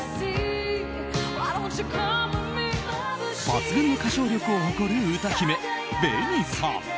抜群の歌唱力を誇る歌姫ＢＥＮＩさん。